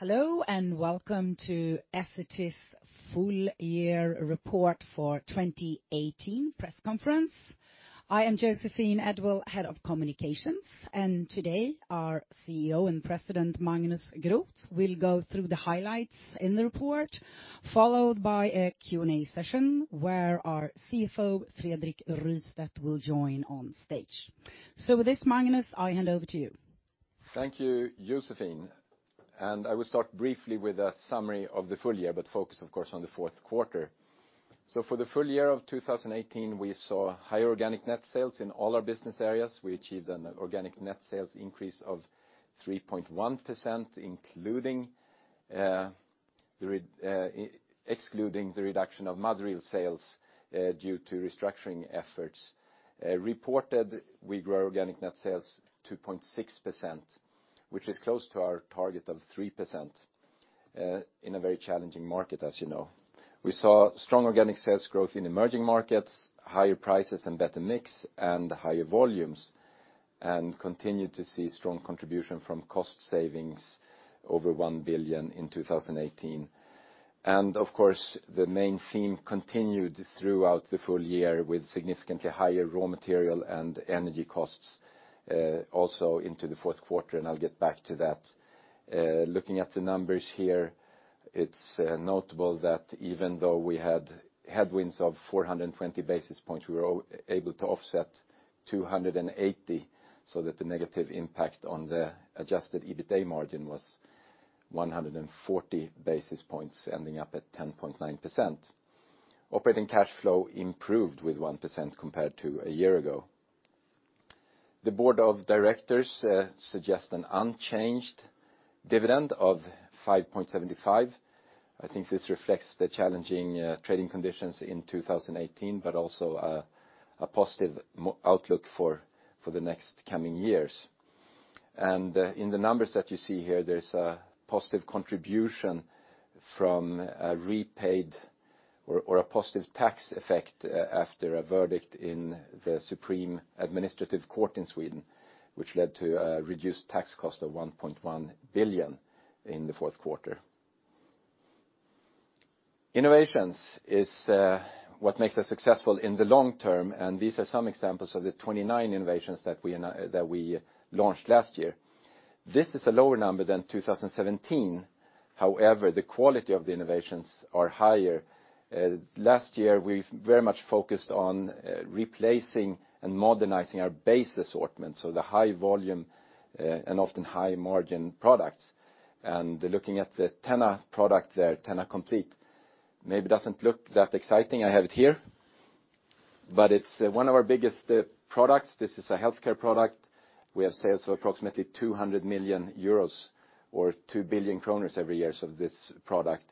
Hello and welcome to Essity's full-year report for 2018 press conference. I am Joséphine Edwall-Björklund, Head of Communications, today our CEO and President Magnus Groth will go through the highlights in the report, followed by a Q&A session where our CFO Fredrik Rystedt will join on stage. With this, Magnus, I hand over to you. Thank you, Joséphine. I will start briefly with a summary of the full year, but focus, of course, on the fourth quarter. For the full year of 2018, we saw higher organic net sales in all our business areas. We achieved an organic net sales increase of 3.1%, excluding the reduction of mother reel sales due to restructuring efforts. Reported, we grew organic net sales 2.6%, which is close to our target of 3% in a very challenging market, as you know. We saw strong organic sales growth in emerging markets, higher prices and better mix, and higher volumes, and continued to see strong contribution from cost savings over 1 billion in 2018. Of course, the main theme continued throughout the full year with significantly higher raw material and energy costs also into the fourth quarter, and I'll get back to that. Looking at the numbers here, it's notable that even though we had headwinds of 420 basis points, we were able to offset 280 so that the negative impact on the adjusted EBITDA margin was 140 basis points, ending up at 10.9%. Operating cash flow improved with 1% compared to a year ago. The board of directors suggests an unchanged dividend of 5.75. I think this reflects the challenging trading conditions in 2018, but also a positive outlook for the next coming years. In the numbers that you see here, there's a positive contribution from a repaid or a positive tax effect after a verdict in the Supreme Administrative Court in Sweden, which led to a reduced tax cost of 1.1 billion in the fourth quarter. Innovations is what makes us successful in the long term, and these are some examples of the 29 innovations that we launched last year. This is a lower number than 2017. However, the quality of the innovations is higher. Last year, we very much focused on replacing and modernizing our base assortment, so the high-volume and often high-margin products. Looking at the TENA product there, TENA Complete, maybe doesn't look that exciting. I have it here. It's one of our biggest products. This is a healthcare product. We have sales of approximately 200 million euros or 2 billion kronor every year of this product.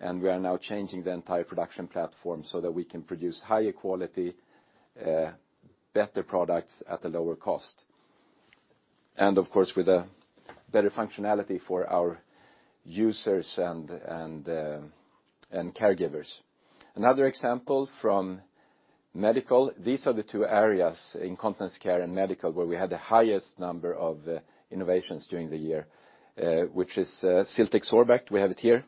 We are now changing the entire production platform so that we can produce higher quality, better products at a lower cost, and of course, with better functionality for our users and caregivers. Another example from medical, these are the two areas in continental care and medical where we had the highest number of innovations during the year, which is Cutimed Sorbact. We have it here.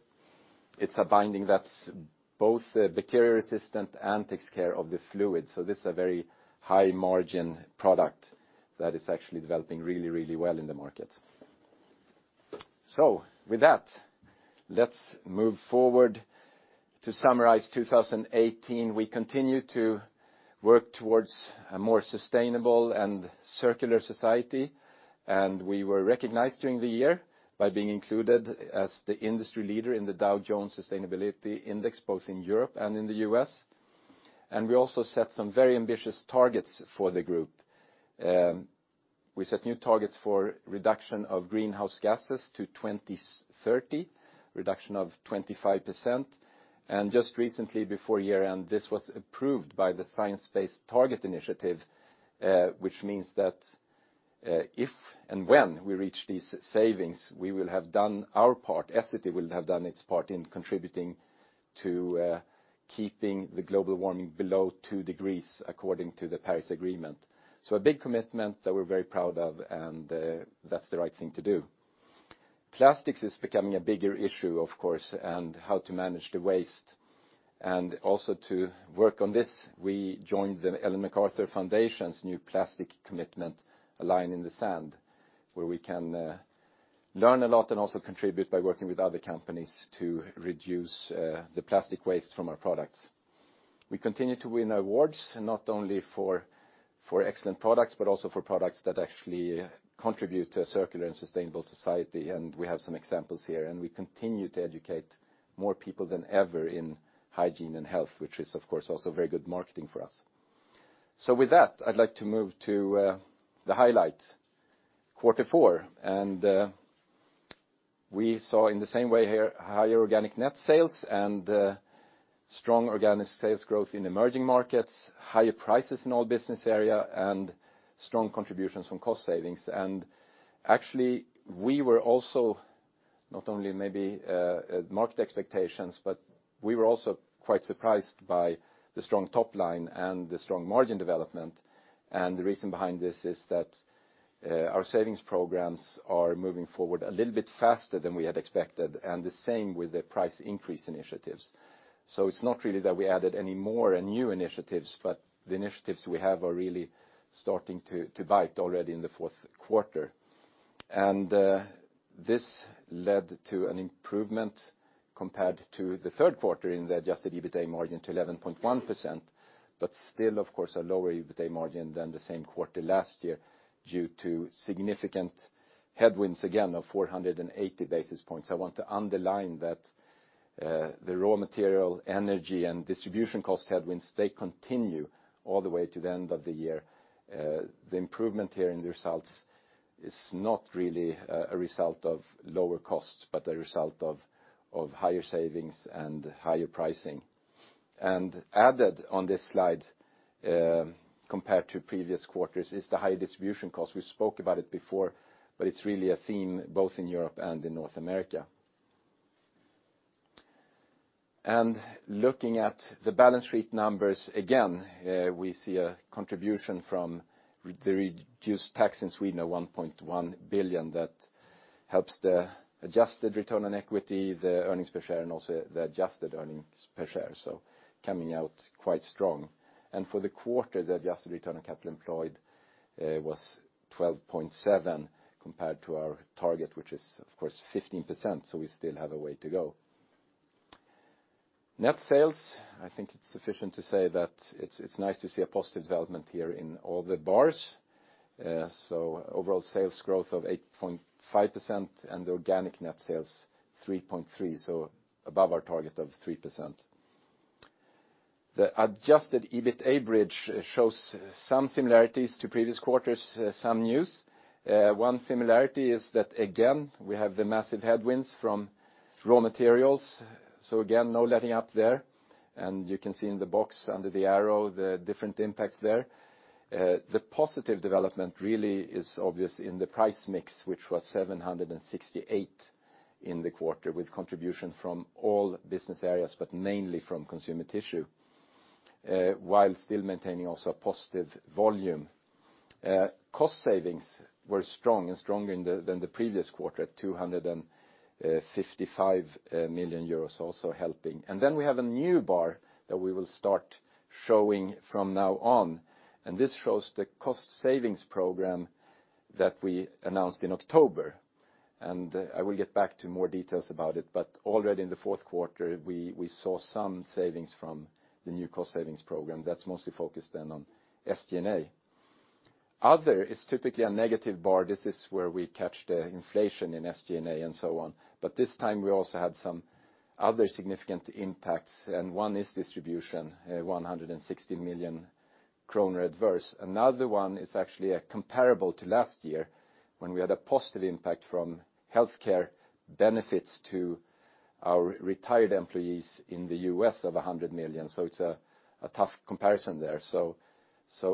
It's a binding that's both bacteria resistant and takes care of the fluid. This is a very high-margin product that is actually developing really, really well in the market. With that, let's move forward to summarize 2018. We continue to work towards a more sustainable and circular society. We were recognized during the year by being included as the industry leader in the Dow Jones Sustainability Index, both in Europe and in the U.S. We also set some very ambitious targets for the group. We set new targets for reduction of greenhouse gases to 2030, reduction of 25%. Just recently, before year-end, this was approved by the Science Based Targets initiative, which means that if and when we reach these savings, we will have done our part. Essity will have done its part in contributing to keeping the global warming below two degrees according to the Paris Agreement. A big commitment that we're very proud of, and that's the right thing to do. Plastics is becoming a bigger issue, of course, and how to manage the waste. Also to work on this, we joined the Ellen MacArthur Foundation's New Plastics Economy Global Commitment, A Line in the Sand, where we can learn a lot and also contribute by working with other companies to reduce the plastic waste from our products. We continue to win awards, not only for excellent products, but also for products that actually contribute to a circular and sustainable society. We have some examples here. We continue to educate more people than ever in hygiene and health, which is, of course, also very good marketing for us. With that, I'd like to move to the highlights, quarter four. We saw, in the same way here, higher organic net sales and strong organic sales growth in emerging markets, higher prices in all business area, and strong contributions from cost savings. Actually, we were also not only maybe market expectations, but we were also quite surprised by the strong top line and the strong margin development. The reason behind this is that our savings programs are moving forward a little bit faster than we had expected, and the same with the price increase initiatives. It's not really that we added any more new initiatives, but the initiatives we have are really starting to bite already in the fourth quarter. This led to an improvement compared to the third quarter in the adjusted EBITDA margin to 11.1%, but still, of course, a lower EBITDA margin than the same quarter last year due to significant headwinds again of 480 basis points. I want to underline that the raw material, energy, and distribution cost headwinds, they continue all the way to the end of the year. The improvement here in the results is not really a result of lower costs, but a result of higher savings and higher pricing. Added on this slide compared to previous quarters is the high distribution cost. We spoke about it before, but it's really a theme both in Europe and in North America. Looking at the balance sheet numbers, again, we see a contribution from the reduced tax in Sweden of 1.1 billion that helps the adjusted return on equity, the earnings per share, and also the adjusted earnings per share, coming out quite strong. For the quarter, the adjusted return on capital employed was 12.7% compared to our target, which is, of course, 15%. We still have a way to go. Net sales, I think it is sufficient to say that it is nice to see a positive development here in all the bars. Overall sales growth of 8.5% and the organic net sales 3.3%, above our target of 3%. The adjusted EBITDA bridge shows some similarities to previous quarters, some news. One similarity is that, again, we have the massive headwinds from raw materials. Again, no letting up there. You can see in the box under the arrow the different impacts there. The positive development really is obvious in the price mix, which was 768 million in the quarter with contribution from all business areas, but mainly from consumer tissue, while still maintaining also a positive volume. Cost savings were strong and stronger than the previous quarter at 255 million euros, also helping. Then we have a new bar that we will start showing from now on. This shows the cost savings program that we announced in October. I will get back to more details about it. Already in the fourth quarter, we saw some savings from the new cost savings program. That is mostly focused then on SG&A. Other is typically a negative bar. This is where we catch the inflation in SG&A and so on. This time, we also had some other significant impacts. One is distribution, 116 million kronor adverse. Another one is actually comparable to last year when we had a positive impact from healthcare benefits to our retired employees in the U.S. of 100 million. It is a tough comparison there.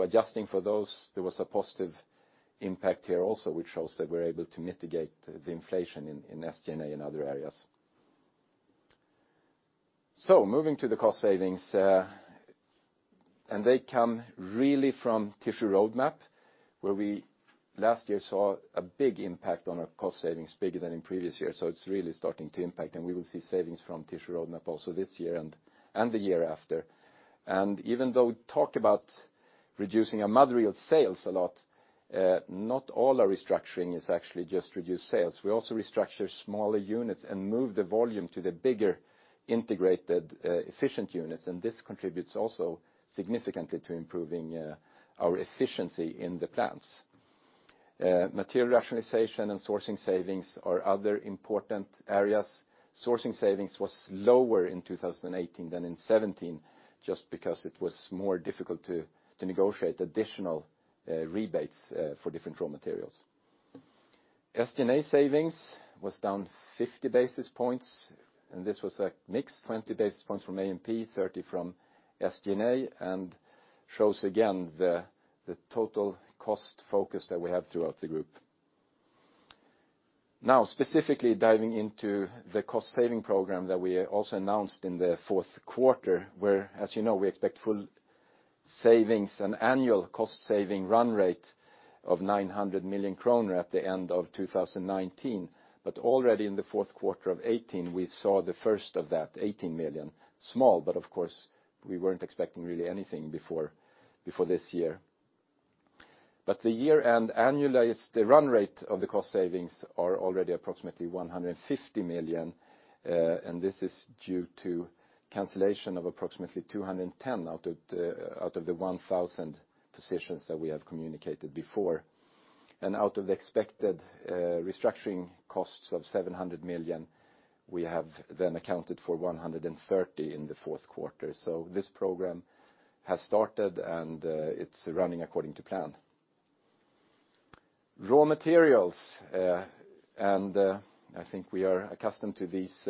Adjusting for those, there was a positive impact here also, which shows that we are able to mitigate the inflation in SG&A and other areas. Moving to the cost savings, they come really from Tissue Roadmap, where we last year saw a big impact on our cost savings, bigger than in previous years. It is really starting to impact. We will see savings from Tissue Roadmap also this year and the year after. Even though we talk about reducing our mother reel sales a lot, not all our restructuring is actually just reduced sales. We also restructure smaller units and move the volume to the bigger, integrated, efficient units. This contributes also significantly to improving our efficiency in the plants. Material rationalization and sourcing savings are other important areas. Sourcing savings was lower in 2018 than in 2017 just because it was more difficult to negotiate additional rebates for different raw materials. SG&A savings was down 50 basis points. This was a mix, 20 basis points from A&P, 30 from SG&A, and shows again the total cost focus that we have throughout the group. Now, specifically diving into the cost saving program that we also announced in the fourth quarter, where, as you know, we expect full savings, an annual cost saving run rate of 900 million kronor at the end of 2019. In the fourth quarter of 2018, we saw the first of that, 18 million, small, but of course, we weren't expecting really anything before this year. The year-end annualized run rate of the cost savings is already approximately 150 million. This is due to cancellation of approximately 210 out of the 1,000 positions that we have communicated before. Out of the expected restructuring costs of 700 million, we have then accounted for 130 million in the fourth quarter. This program has started, and it's running according to plan. Raw materials, I think we are accustomed to these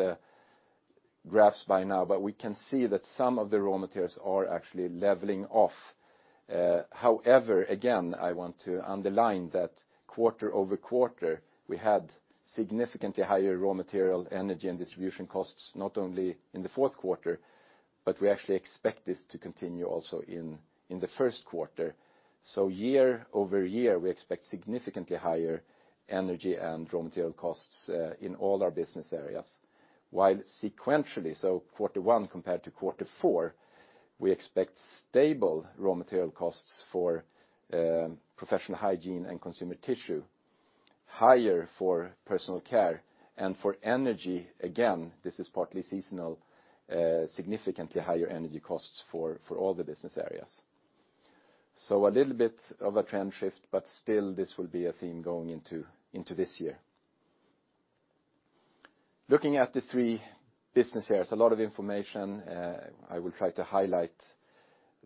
graphs by now. We can see that some of the raw materials are actually leveling off. However, again, I want to underline that quarter-over-quarter, we had significantly higher raw material, energy, and distribution costs not only in the fourth quarter, but we actually expect this to continue also in the first quarter. Year-over-year, we expect significantly higher energy and raw material costs in all our business areas. While sequentially, Q1 compared to Q4, we expect stable raw material costs for Professional Hygiene and Consumer Tissue, higher for Personal Care. For energy, again, this is partly seasonal, significantly higher energy costs for all the business areas. A little bit of a trend shift, but still, this will be a theme going into this year. Looking at the three business areas, a lot of information. I will try to highlight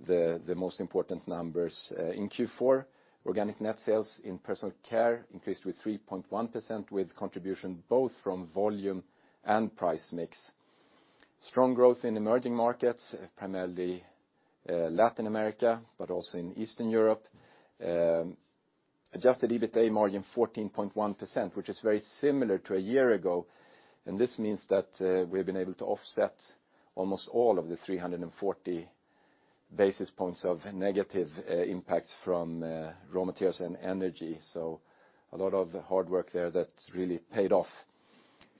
the most important numbers. In Q4, organic net sales in Personal Care increased with 3.1% with contribution both from volume and price mix. Strong growth in emerging markets, primarily Latin America, but also in Eastern Europe. Adjusted EBITDA margin, 14.1%, which is very similar to a year ago. This means that we have been able to offset almost all of the 340 basis points of negative impacts from raw materials and energy. A lot of hard work there that really paid off.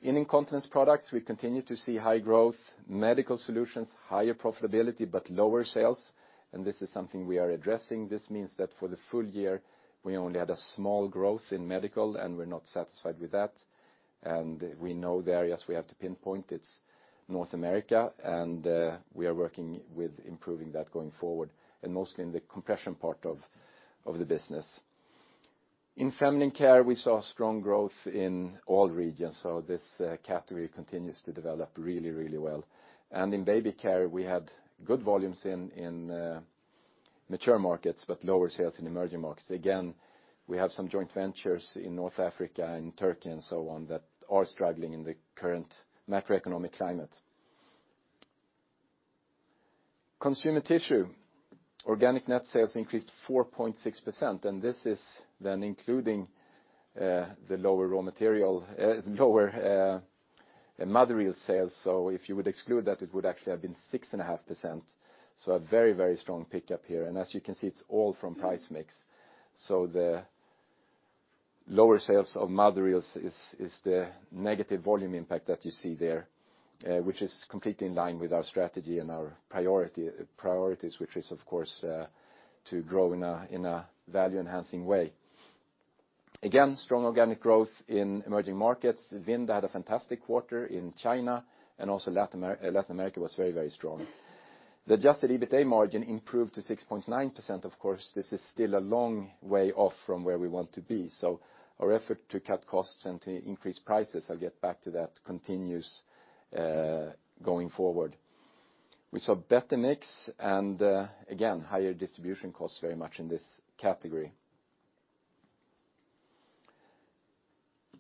In incontinence products, we continue to see high growth. Medical Solutions, higher profitability, but lower sales. This is something we are addressing. This means that for the full year, we only had a small growth in medical, and we're not satisfied with that. We know the areas we have to pinpoint. It's North America. We are working with improving that going forward, and mostly in the compression part of the business. In Feminine Care, we saw strong growth in all regions. This category continues to develop really, really well. In Baby Care, we had good volumes in mature markets, but lower sales in emerging markets. Again, we have some joint ventures in North Africa and Turkey and so on that are struggling in the current macroeconomic climate. Consumer Tissue, organic net sales increased 4.6%. This is then including the lower raw material, lower mother reel sales. If you would exclude that, it would actually have been 6.5%. A very, very strong pickup here. As you can see, it's all from price mix. The lower sales of mother reels is the negative volume impact that you see there, which is completely in line with our strategy and our priorities, which is, of course, to grow in a value-enhancing way. Again, strong organic growth in emerging markets. Vinda had a fantastic quarter in China. Latin America was very, very strong. The adjusted EBITDA margin improved to 6.9%. Of course, this is still a long way off from where we want to be. Our effort to cut costs and to increase prices, I'll get back to that, continues going forward. We saw better mix and, again, higher distribution costs very much in this category.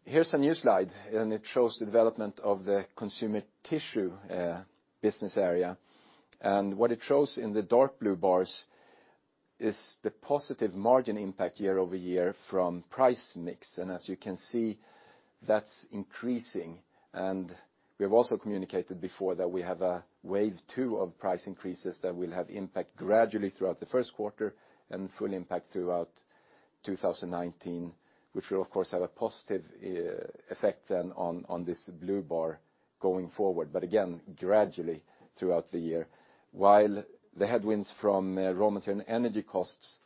Here's a new slide. It shows the development of the consumer tissue business area. What it shows in the dark blue bars is the positive margin impact year-over-year from price mix. As you can see, that's increasing. We have also communicated before that we have a wave 2 of price increases that will have impact gradually throughout the first quarter and full impact throughout 2019, which will, of course, have a positive effect then on this blue bar going forward, but again, gradually throughout the year. While the headwinds from raw material and energy costs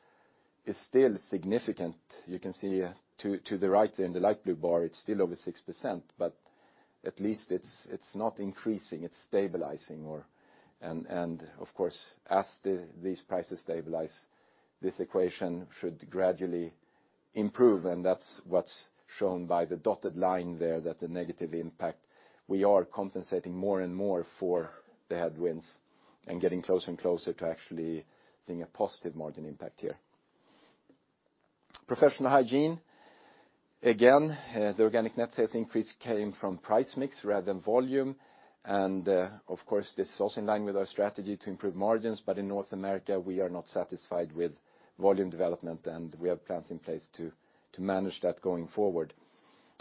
are still significant, you can see to the right there in the light blue bar, it's still over 6%. At least it's not increasing. It's stabilizing. Of course, as these prices stabilize, this equation should gradually improve. That's what's shown by the dotted line there, that the negative impact. We are compensating more and more for the headwinds and getting closer and closer to actually seeing a positive margin impact here. Professional hygiene, again, the organic net sales increase came from price mix rather than volume. Of course, this is also in line with our strategy to improve margins. In North America, we are not satisfied with volume development. We have plans in place to manage that going forward.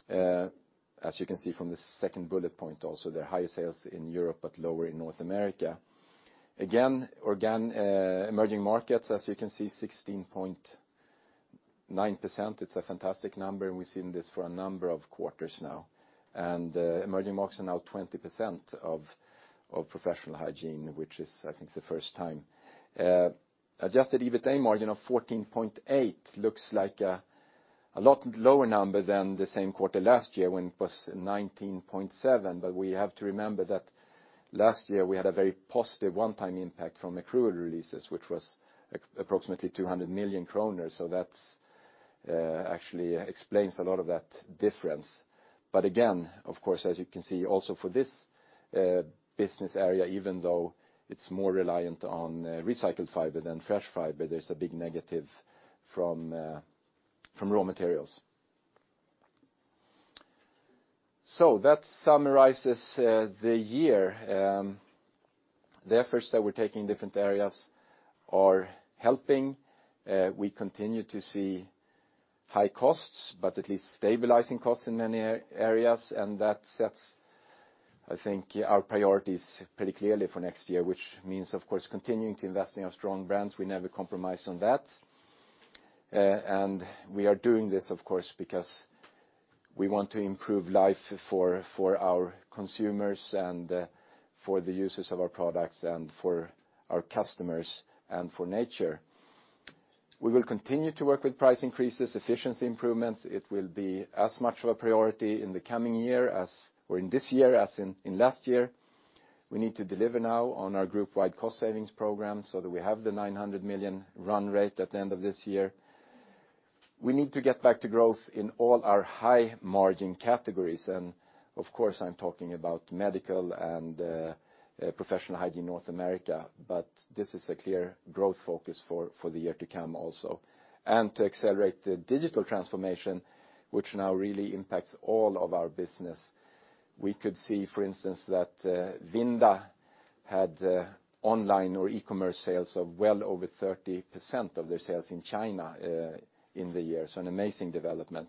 As you can see from the second bullet point also, there are higher sales in Europe but lower in North America. Again, emerging markets, as you can see, 16.9%. It's a fantastic number. We've seen this for a number of quarters now. Emerging markets are now 20% of professional hygiene, which is, I think, the first time. Adjusted EBITDA margin of 14.8% looks like a lot lower number than the same quarter last year when it was 19.7%. We have to remember that last year, we had a very positive one-time impact from accrual releases, which was approximately 200 million kronor. That actually explains a lot of that difference. Again, of course, as you can see, also for this business area, even though it's more reliant on recycled fiber than fresh fiber, there's a big negative from raw materials. That summarizes the year. The efforts that we're taking in different areas are helping. We continue to see high costs, but at least stabilizing costs in many areas. That sets, I think, our priorities pretty clearly for next year, which means, of course, continuing to invest in our strong brands. We never compromise on that. We are doing this, of course, because we want to improve life for our consumers and for the users of our products and for our customers and for nature. We will continue to work with price increases, efficiency improvements. It will be as much of a priority in the coming year or in this year as in last year. We need to deliver now on our group-wide cost savings program so that we have the 900 million run rate at the end of this year. We need to get back to growth in all our high-margin categories. Of course, I'm talking about medical and professional hygiene in North America. This is a clear growth focus for the year to come also. To accelerate the digital transformation, which now really impacts all of our business, we could see, for instance, that Vinda had online or e-commerce sales of well over 30% of their sales in China in the year. An amazing development.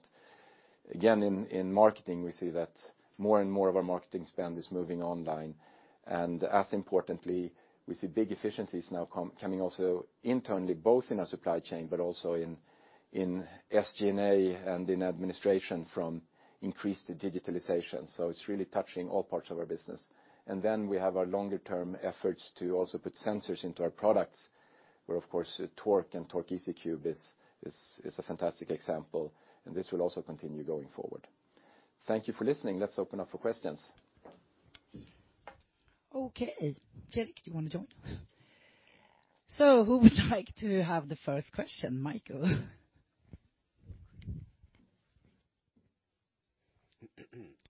Again, in marketing, we see that more and more of our marketing spend is moving online. As importantly, we see big efficiencies now coming also internally, both in our supply chain but also in SG&A and in administration from increased digitalization. It's really touching all parts of our business. Then we have our longer-term efforts to also put sensors into our products, where, of course, Tork and Tork EasyCube is a fantastic example. This will also continue going forward. Thank you for listening. Let's open up for questions. Okay. Fredrik, do you want to join? Who would like to have the first question, Mikael?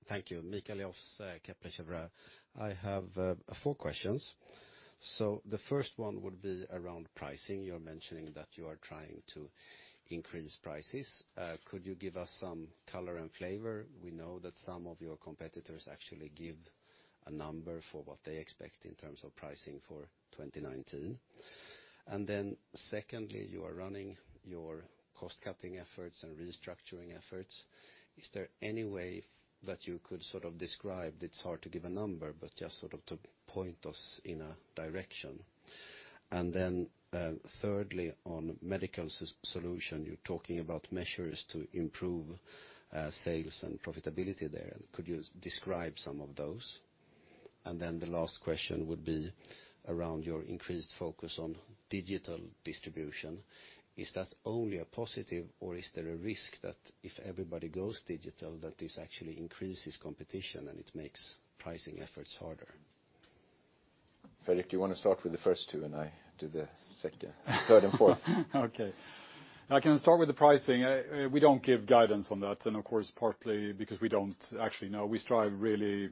Thank you. Mikael Leijonberg, Kepler Cheuvreux. I have four questions. The first one would be around pricing. You're mentioning that you are trying to increase prices. Could you give us some color and flavor? We know that some of your competitors actually give a number for what they expect in terms of pricing for 2019. Then secondly, you are running your cost-cutting efforts and restructuring efforts. Is there any way that you could sort of describe it's hard to give a number but just sort of to point us in a direction? Then thirdly, on Medical Solutions, you're talking about measures to improve sales and profitability there. Could you describe some of those? Then the last question would be around your increased focus on digital distribution. Is that only a positive, or is there a risk that if everybody goes digital, that this actually increases competition and it makes pricing efforts harder? Fredrik, do you want to start with the first two, and I do the third and fourth? Okay. I can start with the pricing. We don't give guidance on that. Of course, partly because we don't actually know. We strive really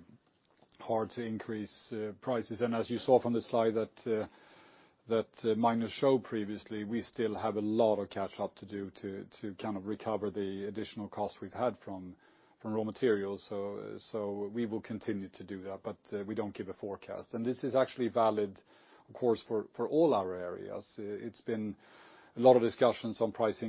hard to increase prices. As you saw from the slide that Magnus showed previously, we still have a lot of catch-up to do to kind of recover the additional costs we've had from raw materials. We will continue to do that. We don't give a forecast. This is actually valid, of course, for all our areas. It's been a lot of discussions on price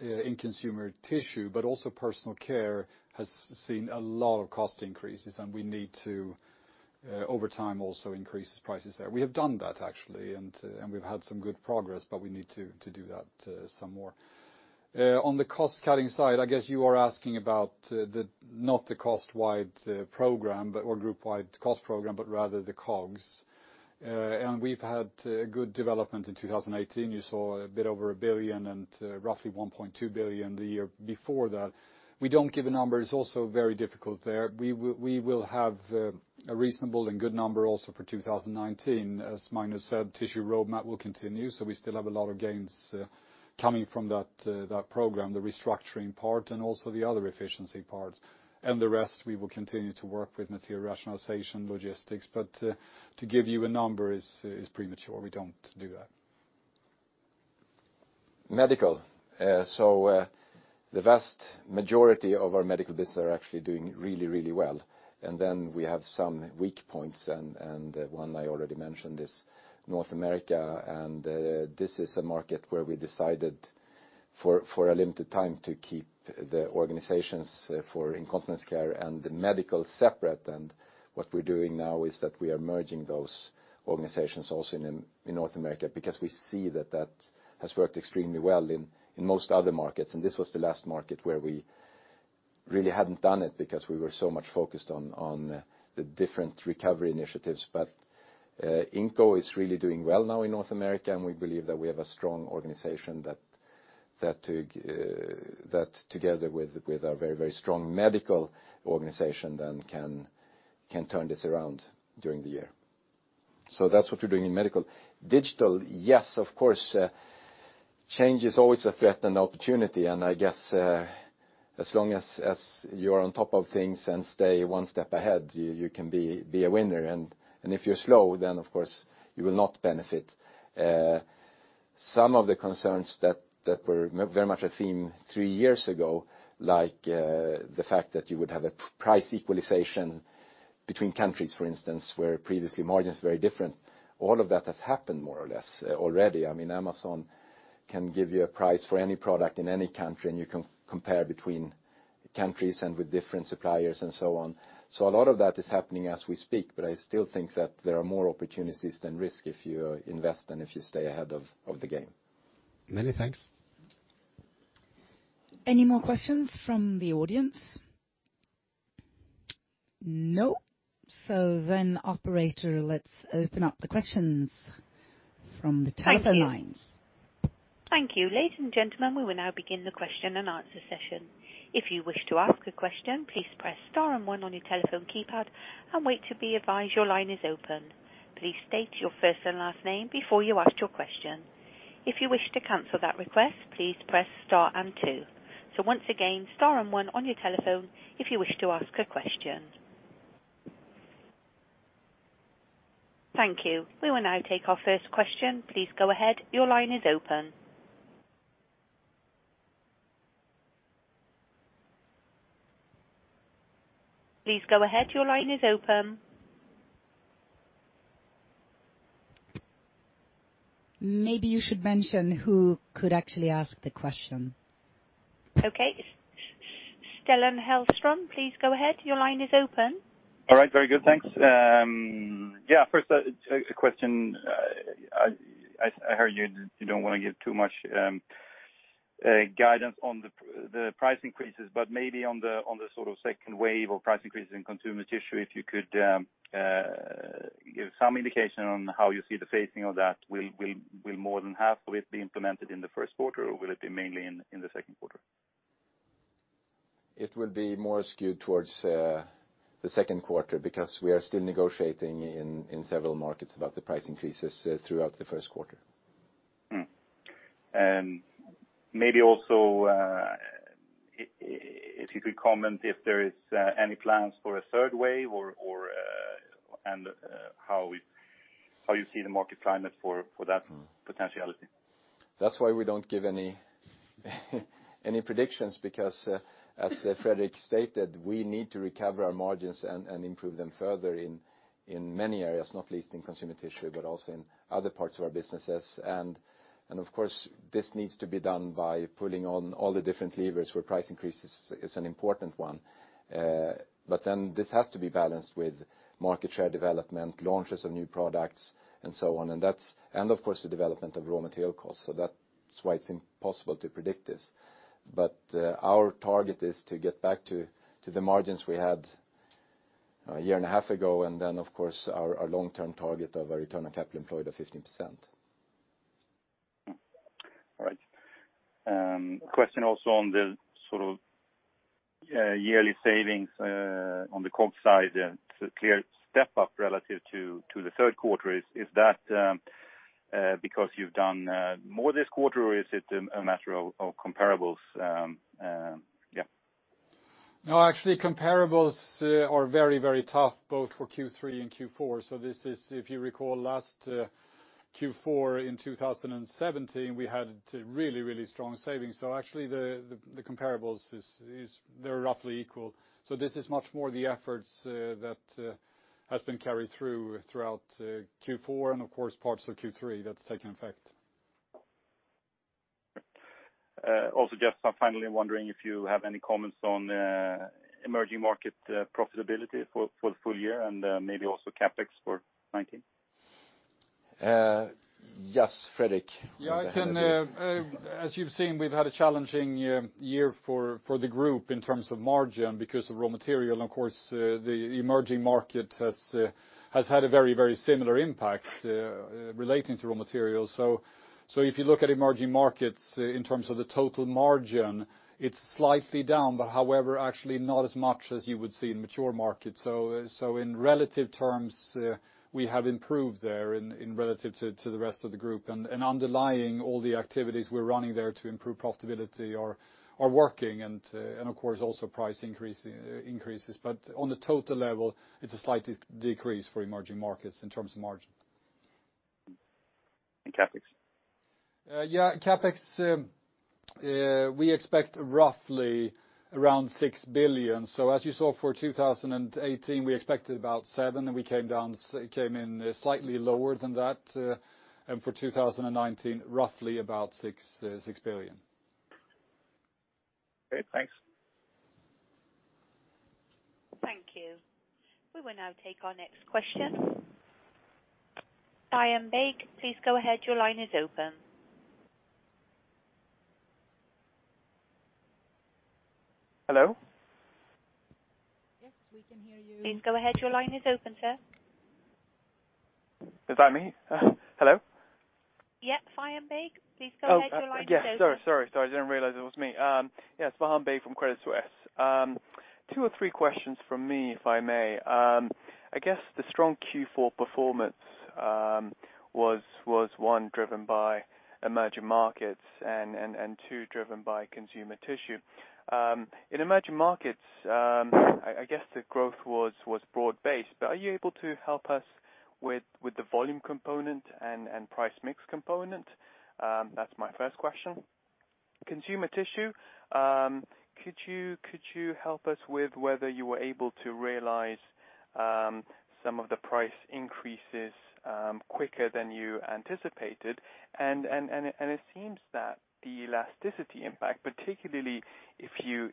increases in consumer tissue. Also personal care has seen a lot of cost increases. We need to, over time, also increase prices there. We have done that, actually. We've had some good progress, but we need to do that some more. On the cost-cutting side, I guess you are asking about not the cost-wide program or group-wide cost program, but rather the COGS. We've had a good development in 2018. You saw a bit over 1 billion and roughly 1.2 billion the year before that. We don't give a number. It's also very difficult there. We will have a reasonable and good number also for 2019. As Magnus said, Tissue Roadmap will continue. We still have a lot of gains coming from that program, the restructuring part and also the other efficiency parts. The rest, we will continue to work with material rationalization, logistics. To give you a number is premature. We don't do that. Medical. The vast majority of our medical business are actually doing really, really well. Then we have some weak points. One I already mentioned is North America. This is a market where we decided for a limited time to keep the organizations for incontinence care and the medical separate. What we're doing now is that we are merging those organizations also in North America because we see that that has worked extremely well in most other markets. This was the last market where we really hadn't done it because we were so much focused on the different recovery initiatives. INCO is really doing well now in North America. We believe that we have a strong organization that, together with our very, very strong medical organization, then can turn this around during the year. That's what we're doing in medical. Digital, yes, of course. Change is always a threat and opportunity. I guess as long as you are on top of things and stay one step ahead, you can be a winner. If you're slow, then, of course, you will not benefit. Some of the concerns that were very much a theme three years ago, like the fact that you would have a price equalization between countries, for instance, where previously margins were very different, all of that has happened more or less already. I mean, Amazon can give you a price for any product in any country. You can compare between countries and with different suppliers and so on. A lot of that is happening as we speak. I still think that there are more opportunities than risk if you invest and if you stay ahead of the game. Many thanks. Any more questions from the audience? No? Operator, let's open up the questions from the telephone lines. Thank you. Ladies and gentlemen, we will now begin the question and answer session. If you wish to ask a question, please press star and one on your telephone keypad and wait to be advised your line is open. Please state your first and last name before you ask your question. If you wish to cancel that request, please press star and two. Once again, star and one on your telephone if you wish to ask a question. Thank you. We will now take our first question. Please go ahead. Your line is open. Please go ahead. Your line is open. Maybe you should mention who could actually ask the question. Okay. Stellan Hellström, please go ahead. Your line is open. All right. Very good. Thanks. Yeah, first, a question. I heard you don't want to give too much guidance on the price increases. Maybe on the sort of second wave of price increases in consumer tissue, if you could give some indication on how you see the facing of that. Will more than half of it be implemented in the first quarter, or will it be mainly in the second quarter? It will be more skewed towards the second quarter because we are still negotiating in several markets about the price increases throughout the first quarter. Maybe also, if you could comment if there are any plans for a third wave and how you see the market climate for that potentiality. That's why we don't give any predictions because, as Fredrik stated, we need to recover our margins and improve them further in many areas, not least in consumer tissue but also in other parts of our businesses. Of course, this needs to be done by pulling on all the different levers where price increase is an important one. This has to be balanced with market share development, launches of new products, and so on. Of course, the development of raw material costs. That's why it's impossible to predict this. Our target is to get back to the margins we had a year and a half ago and then, of course, our long-term target of a return on capital employed of 15%. All right. Question also on the sort of yearly savings on the COGS side. It's a clear step up relative to the third quarter. Is that because you've done more this quarter, or is it a matter of comparables? Yeah. No, actually, comparables are very, very tough, both for Q3 and Q4. If you recall, last Q4 in 2017, we had really, really strong savings. Actually, the comparables, they're roughly equal. This is much more the efforts that have been carried through throughout Q4 and, of course, parts of Q3 that's taken effect. Also, Fredrik, I'm finally wondering if you have any comments on emerging market profitability for the full year and maybe also CapEx for 2019. Yes, Fredrik. Yeah, I can. As you've seen, we've had a challenging year for the group in terms of margin because of raw material. Of course, the emerging market has had a very, very similar impact relating to raw materials. If you look at emerging markets in terms of the total margin, it's slightly down but, however, actually not as much as you would see in mature markets. In relative terms, we have improved there in relative to the rest of the group. Underlying all the activities we're running there to improve profitability are working and, of course, also price increases. On the total level, it's a slight decrease for emerging markets in terms of margin. CapEx? CapEx, we expect roughly around 6 billion. As you saw for 2018, we expected about 7 billion, we came in slightly lower than that. For 2019, roughly about 6 billion. Okay. Thanks. Thank you. We will now take our next question. Faham Baig, please go ahead. Your line is open. Hello? Yes, we can hear you. Please go ahead. Your line is open, sir. Is that me? Hello? Yep, Faham Baig. Please go ahead. Your line is open. Oh, okay. Yeah. Sorry, sorry. I didn't realize it was me. Yes, Faham Baig from Credit Suisse. Two or three questions from me, if I may. I guess the strong Q4 performance was, one, driven by emerging markets and, two, driven by consumer tissue. In emerging markets, I guess the growth was broad-based. Are you able to help us with the volume component and price mix component? That's my first question. Consumer tissue, could you help us with whether you were able to realize some of the price increases quicker than you anticipated? It seems that the elasticity impact, particularly if you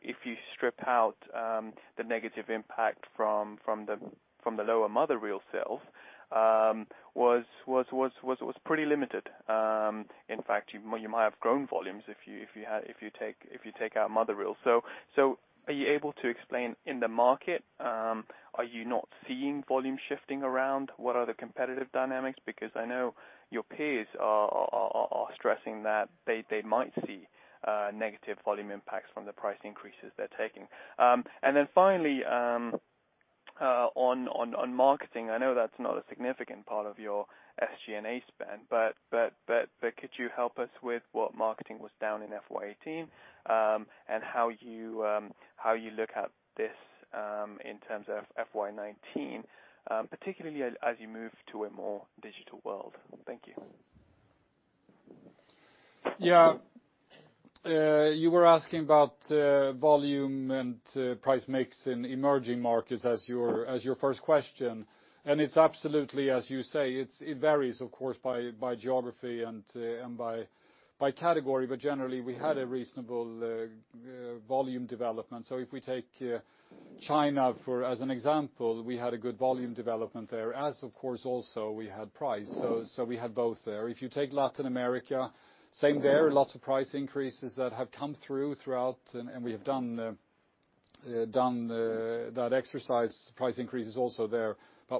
strip out the negative impact from the lower mother reel sales, was pretty limited. In fact, you might have grown volumes if you take out mother reel. Are you able to explain, in the market, are you not seeing volume shifting around? What are the competitive dynamics? I know your peers are stressing that they might see negative volume impacts from the price increases they're taking. Finally, on marketing, I know that's not a significant part of your SG&A spend. Could you help us with what marketing was down in FY 2018 and how you look at this in terms of FY 2019, particularly as you move to a more digital world? Thank you. Yeah. You were asking about volume and price mix in emerging markets as your first question. It's absolutely, as you say, it varies, of course, by geography and by category. Generally, we had a reasonable volume development. If we take China as an example, we had a good volume development there, as, of course, also we had price. We had both there. If you take Latin America, same there, lots of price increases that have come through throughout. We have done that exercise, price increases also there.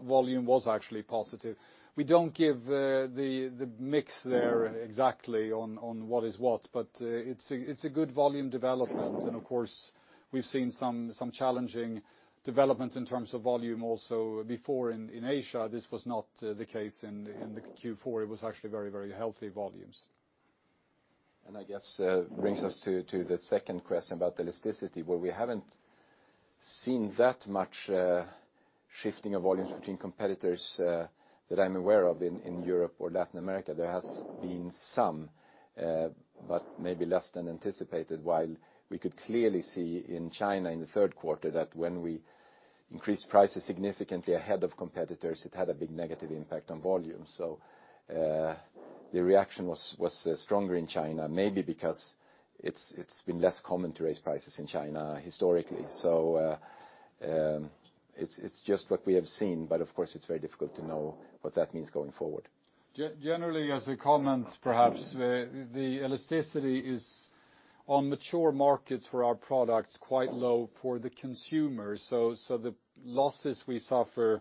Volume was actually positive. We don't give the mix there exactly on what is what. It's a good volume development. Of course, we've seen some challenging development in terms of volume also before in Asia. This was not the case in the Q4. It was actually very healthy volumes. I guess it brings us to the second question about elasticity, where we haven't seen that much shifting of volumes between competitors that I'm aware of in Europe or Latin America. There has been some, but maybe less than anticipated, while we could clearly see in China in the third quarter that when we increased prices significantly ahead of competitors, it had a big negative impact on volume. The reaction was stronger in China, maybe because it's been less common to raise prices in China historically. It's just what we have seen. Of course, it's very difficult to know what that means going forward. Generally, as a comment, perhaps, the elasticity is, on mature markets for our products, quite low for the consumer. The losses we suffer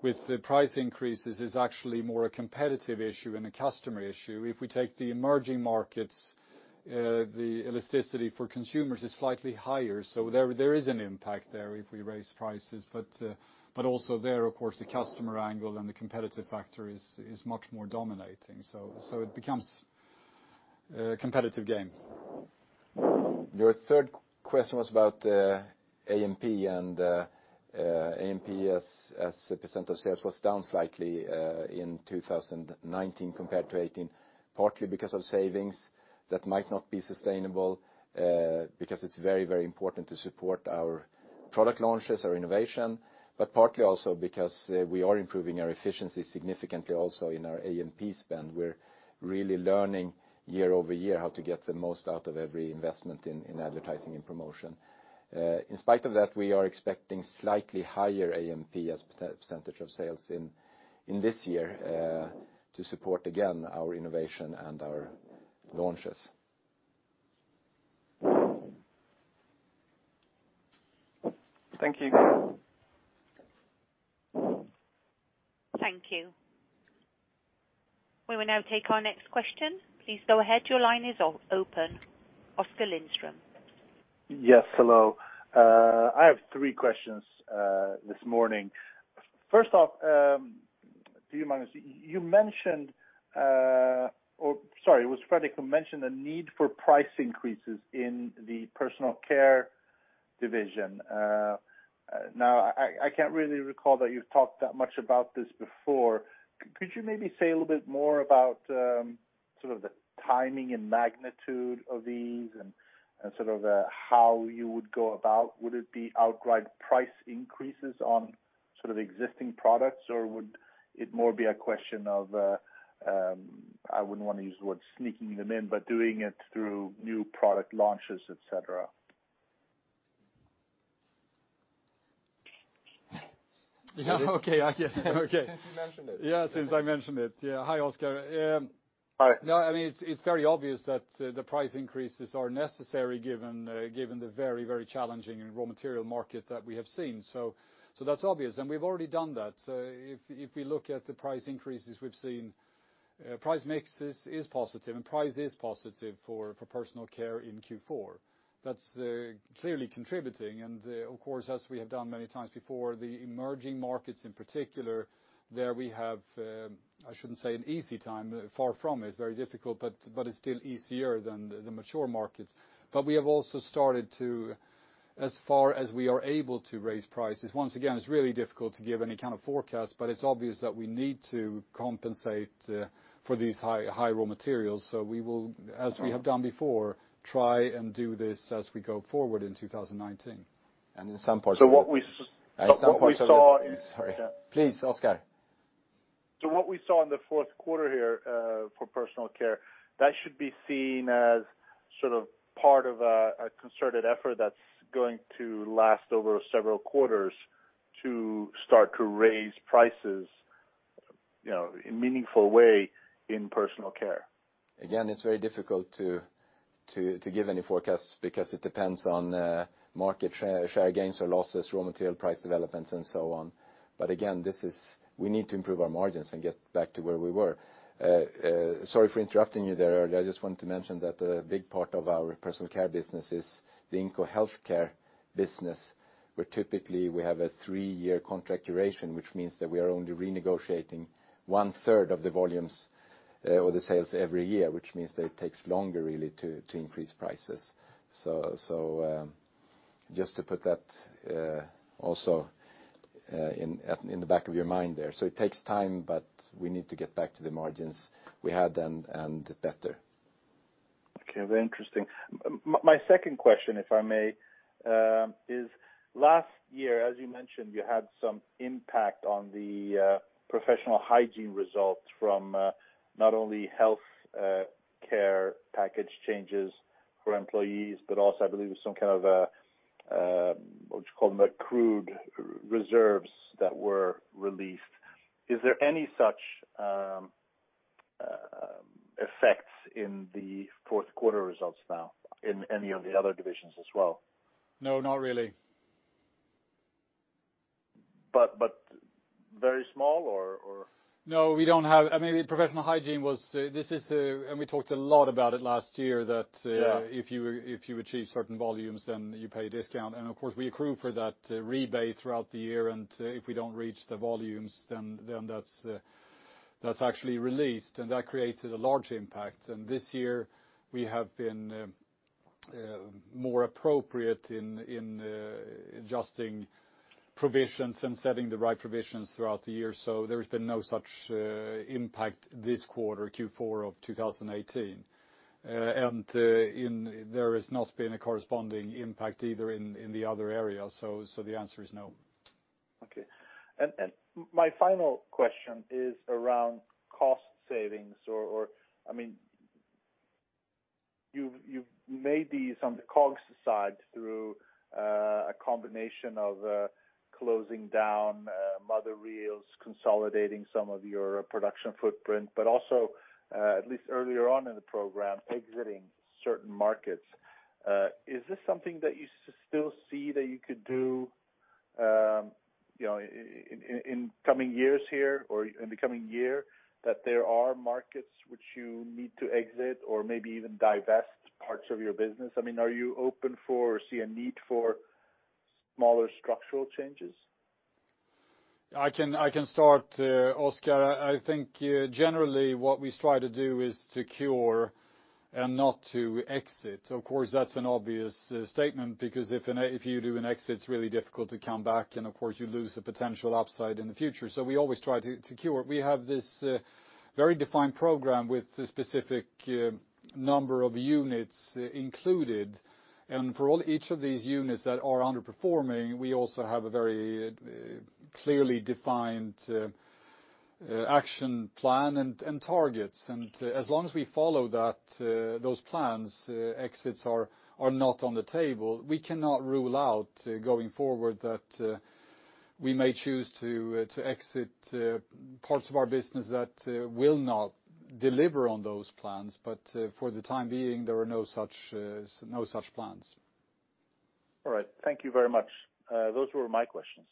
with the price increases is actually more a competitive issue and a customer issue. If we take the emerging markets, the elasticity for consumers is slightly higher. There is an impact there if we raise prices. Also there, of course, the customer angle and the competitive factor is much more dominating. It becomes a competitive game. Your third question was about A&P. A&P as a percent of sales was down slightly in 2019 compared to 2018, partly because of savings that might not be sustainable because it's very, very important to support our product launches, our innovation, partly also because we are improving our efficiency significantly also in our A&P spend. We're really learning year over year how to get the most out of every investment in advertising and promotion. In spite of that, we are expecting slightly higher A&P as a percentage of sales in this year to support, again, our innovation and our launches. Thank you. Thank you. We will now take our next question. Please go ahead. Your line is open. Oskar Lindström. Yes. Hello. I have three questions this morning. First off, do you mind? It was Fredrik who mentioned the need for price increases in the personal care division. I can't really recall that you've talked that much about this before. Could you maybe say a little bit more about sort of the timing and magnitude of these and sort of how you would go about? Would it be outright price increases on sort of existing products, or would it more be a question of I wouldn't want to use the word sneaking them in but doing it through new product launches, etc.? Yeah. Okay. I get it. Okay. Since you mentioned it. Yeah, since I mentioned it. Yeah. Hi, Oskar. Hi. No, I mean, it's very obvious that the price increases are necessary given the very, very challenging raw material market that we have seen. That's obvious. We've already done that. If we look at the price increases we've seen, price mix is positive, and price is positive for personal care in Q4. That's clearly contributing. Of course, as we have done many times before, the emerging markets in particular, there we have, I shouldn't say an easy time. Far from it. It's very difficult, but it's still easier than the mature markets. We have also started to as far as we are able to raise prices, once again, it's really difficult to give any kind of forecast, but it's obvious that we need to compensate for these high raw materials. We will, as we have done before, try and do this as we go forward in 2019. In some parts of. What we saw. Some parts of. Sorry. Please, Oskar. What we saw in the fourth quarter here for personal care, that should be seen as sort of part of a concerted effort that's going to last over several quarters to start to raise prices in a meaningful way in personal care. Again, it's very difficult to give any forecasts because it depends on market share gains or losses, raw material price developments, and so on. Again, we need to improve our margins and get back to where we were. SorryHandfor interrupting you there earlier. I just wanted to mention that a big part of our personal care business is the INCO healthcare business, where typically, we have a three-year contract duration, which means that we are only renegotiating one-third of the volumes or the sales every year, which means that it takes longer, really, to increase prices. Just to put that also in the back of your mind there. It takes time, but we need to get back to the margins we had and better. Okay. Very interesting. My second question, if I may, is last year, as you mentioned, you had some impact on the Professional Hygiene results from not only healthcare package changes for employees but also, I believe, some kind of what you call them accrued reserves that were released. Is there any such effect in the fourth quarter results now in any of the other divisions as well? No, not really. Very small, or? No, we don't have. I mean, Professional Hygiene was and we talked a lot about it last year that if you achieve certain volumes, then you pay a discount. Of course, we accrue for that rebate throughout the year. If we don't reach the volumes, then that's actually released. That created a large impact. This year, we have been more appropriate in adjusting provisions and setting the right provisions throughout the year. There has been no such impact this quarter, Q4 of 2018. There has not been a corresponding impact either in the other areas. The answer is no. My final question is around cost savings. I mean, you've made these on the COGS side through a combination of closing down mother reels, consolidating some of your production footprint, but also, at least earlier on in the program, exiting certain markets. Is this something that you still see that you could do in coming years here or in the coming year that there are markets which you need to exit or maybe even divest parts of your business? I mean, are you open for or see a need for smaller structural changes? I can start, Oskar. I think generally, what we strive to do is to cure and not to exit. Of course, that's an obvious statement because if you do an exit, it's really difficult to come back. Of course, you lose a potential upside in the future. We always try to cure. We have this very defined program with a specific number of units included. For each of these units that are underperforming, we also have a very clearly defined action plan and targets. As long as we follow those plans, exits are not on the table, we cannot rule out going forward that we may choose to exit parts of our business that will not deliver on those plans. For the time being, there are no such plans. All right. Thank you very much. Those were my questions.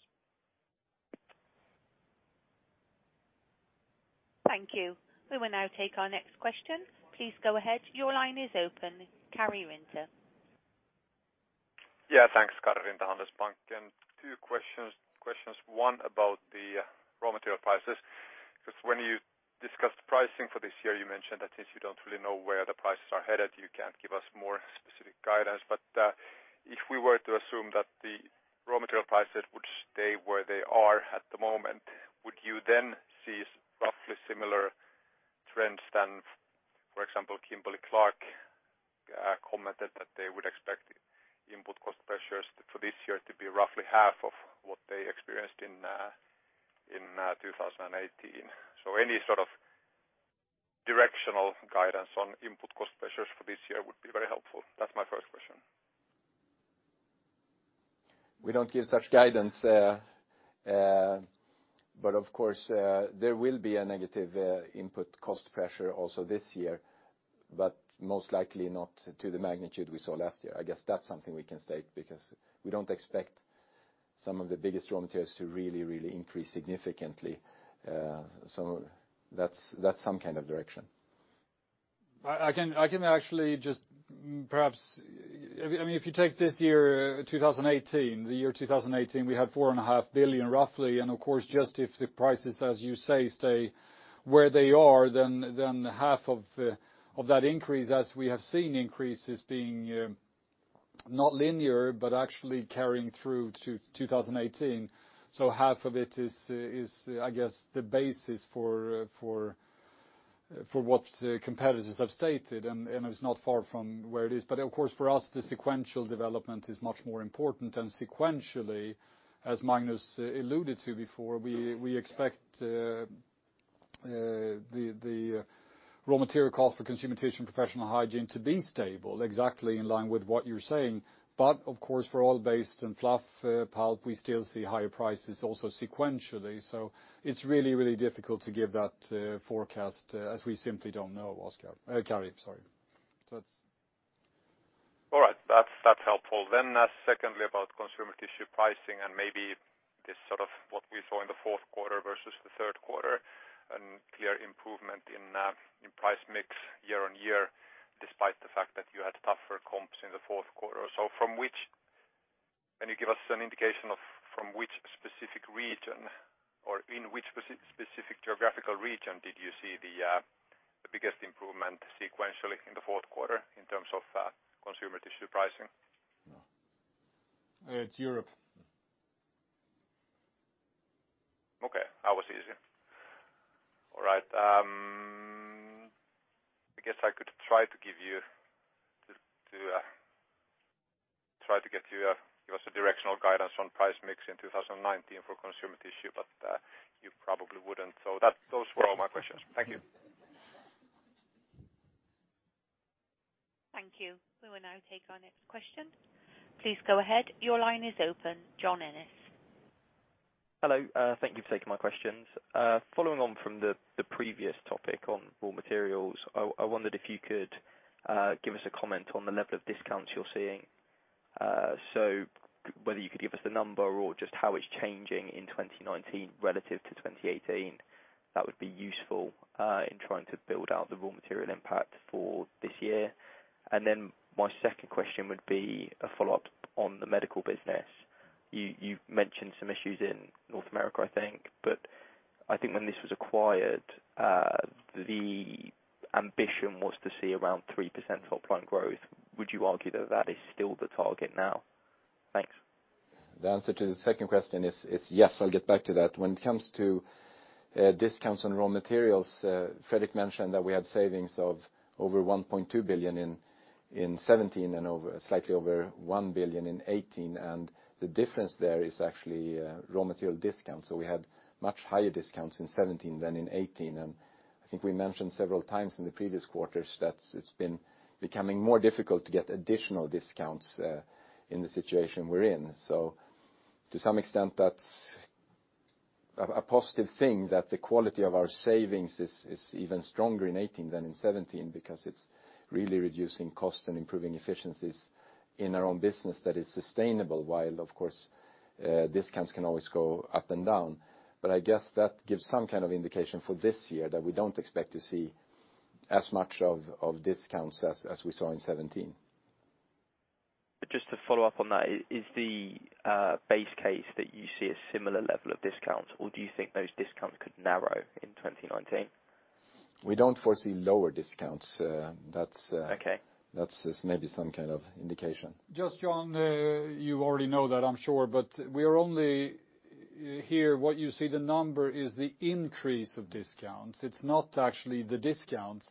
Thank you. We will now take our next question. Please go ahead. Your line is open. Karel Zoete. Thanks, Karel Zoete, Handelsbanken. Two questions. Questions, one, about the raw material prices because when you discussed pricing for this year, you mentioned that since you don't really know where the prices are headed, you can't give us more specific guidance. If we were to assume that the raw material prices would stay where they are at the moment, would you then see roughly similar trends than, for example, Kimberly-Clark commented that they would expect input cost pressures for this year to be roughly half of what they experienced in 2018? Any sort of directional guidance on input cost pressures for this year would be very helpful. That's my first question. We don't give such guidance. Of course, there will be a negative input cost pressure also this year, but most likely not to the magnitude we saw last year. I guess that's something we can state because we don't expect some of the biggest raw materials to really increase significantly. That's some kind of direction. I can actually just perhaps I mean, if you take this year, 2018, the year 2018, we had four and a half billion, roughly. Of course, just if the prices, as you say, stay where they are, then half of that increase, as we have seen increases, being not linear but actually carrying through to 2018. Half of it is, I guess, the basis for what competitors have stated. It's not far from where it is. Of course, for us, the sequential development is much more important. Sequentially, as Magnus alluded to before, we expect the raw material cost for consumer tissue and professional hygiene to be stable, exactly in line with what you're saying. Of course, for oil-based and fluff pulp, we still see higher prices also sequentially. It's really difficult to give that forecast as we simply don't know, Oskar. Karel, sorry. All right. That's helpful. Secondly, about consumer tissue pricing and maybe this sort of what we saw in the fourth quarter versus the third quarter, a clear improvement in price mix year-on-year despite the fact that you had tougher comps in the fourth quarter. Can you give us an indication of from which specific region or in which specific geographical region did you see the biggest improvement sequentially in the fourth quarter in terms of consumer tissue pricing? It's Europe. Okay. That was easy. All right. I guess I could try to give you to try to get you to give us a directional guidance on price mix in 2019 for consumer tissue, you probably wouldn't. Those were all my questions. Thank you. Thank you. We will now take our next question. Please go ahead. Your line is open. John Ennis. Hello. Thank you for taking my questions. Following on from the previous topic on raw materials, I wondered if you could give us a comment on the level of discounts you're seeing, so whether you could give us the number or just how it's changing in 2019 relative to 2018. That would be useful in trying to build out the raw material impact for this year. My second question would be a follow-up on the medical business. You mentioned some issues in North America, I think. I think when this was acquired, the ambition was to see around 3% top-line growth. Would you argue that that is still the target now? Thanks. The answer to the second question is yes. I'll get back to that. When it comes to discounts on raw materials, Fredrik mentioned that we had savings of over 1.2 billion in 2017 and slightly over 1 billion in 2018. The difference there is actually raw material discounts. We had much higher discounts in 2017 than in 2018. I think we mentioned several times in the previous quarters that it's been becoming more difficult to get additional discounts in the situation we're in. To some extent, that's a positive thing that the quality of our savings is even stronger in 2018 than in 2017 because it's really reducing costs and improving efficiencies in our own business that is sustainable while, of course, discounts can always go up and down. I guess that gives some kind of indication for this year that we don't expect to see as much of discounts as we saw in 2017. Just to follow up on that, is the base case that you see a similar level of discounts, or do you think those discounts could narrow in 2019? We don't foresee lower discounts. That's maybe some kind of indication. Just John, you already know that, I'm sure. We are only here what you see, the number, is the increase of discounts. It's not actually the discounts.